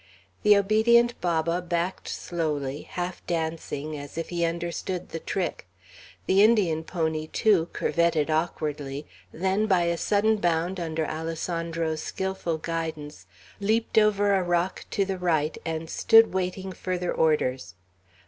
The obedient Baba backed slowly, half dancing, as if he understood the trick; the Indian pony, too, curvetted awkwardly, then by a sudden bound under Alessandro's skilful guidance, leaped over a rock to the right, and stood waiting further orders.